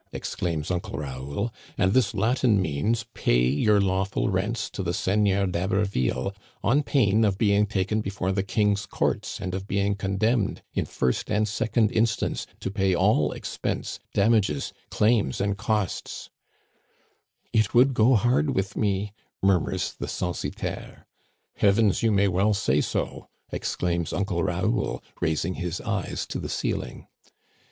exclaims Uncle Raoul, " and this Latin means, pay your lawful rents to the Seigneur d'Haberville, on pain of being taken before the King's courts and of being condemned in first and second in stance to pay all expense, damages, claims, and costs. Digitized by VjOOQIC I08 THE CANADIANS OF OLD, *' It would go hard with me," murmurs the censitaire^ Heavens, you may well say so !" exclaims Uncle Raoul, raising his eyes to the ceiling.